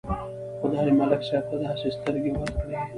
خدای ملک صاحب ته داسې سترګې ورکړې.